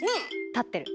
立ってる。